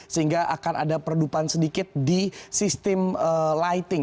sehingga akan ada perdupan sedikit di sistem lighting